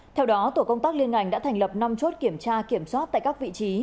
theo đó tổ công tác liên ngành đã thành lập năm chốt kiểm tra kiểm soát tại các vị trí